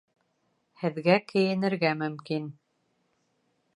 Һеҙгә кейенергә мөмкин